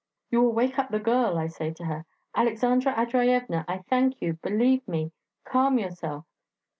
'You will wake up the girl,' I say to her; 'Aleksandra Andreyevna, I thank you ... believe me ... calm yourself.'